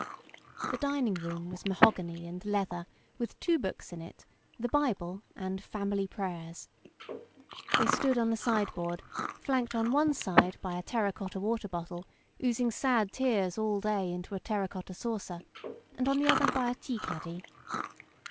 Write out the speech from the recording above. The dining room was mahogany and leather with two books in it, the Bible and Family Prayers. They stood on the side board, flanked on one side by a terra cotta water bottle oozing sad tears all day into a terracotta saucer, and on the other by a tea caddy.